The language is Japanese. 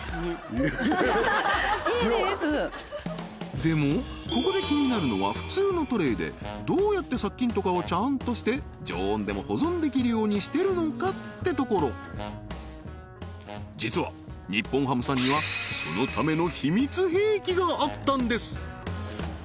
でもここで気になるのは普通のトレイでどうやって殺菌とかをちゃんとして常温でも保存できるようにしてるのかってところ実は日本ハムさんにはそのための秘密兵器があったんです